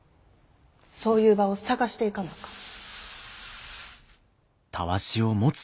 そういう場を探していかなあかん。